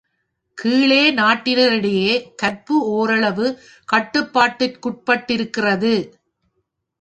கீழை நாட்டினரிடையே கற்பு ஓரளவு கட்டுப்பாட்டிற்குட்பட்டிருக்கிறது.